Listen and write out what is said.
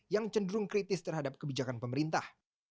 yang cenderung kritis terhadap kebijakan pemerintah